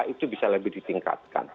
itu bisa lebih ditingkatkan